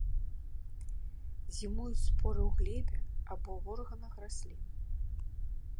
Зімуюць споры ў глебе або ў органах раслін.